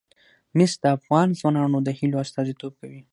مس د افغان ځوانانو د هیلو استازیتوب کوي.